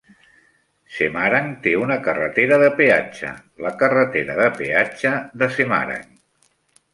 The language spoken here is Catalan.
Semarang té una carretera de peatge, la Carretera de Peatge de Semarang.